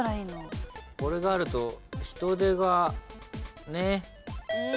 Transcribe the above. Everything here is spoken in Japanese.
これがあると人手がね。